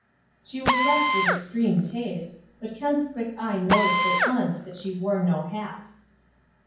She was dressed with extreme taste, but Kent's quick eye noted at once that she wore no hat.